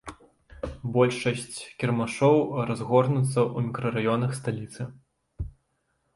Большасць кірмашоў разгорнуцца ў мікрараёнах сталіцы.